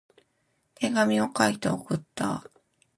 手紙を書いて送った。